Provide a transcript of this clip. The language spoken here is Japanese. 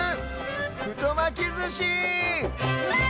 ふとまきずし！